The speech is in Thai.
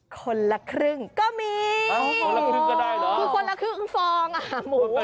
คนละครึ่งก็มีเอาคนละครึ่งก็ได้เนอะคือคนละครึ่งฟองอ่ะหมด